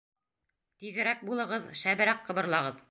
Тиҙерәк булығыҙ, шәберәк ҡыбырлағыҙ!